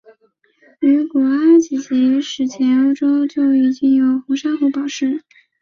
于古埃及及史前的欧洲就已经有红珊瑚宝石。